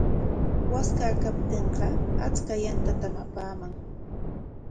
Waskaa kaptinqa achka yantatam apaaman.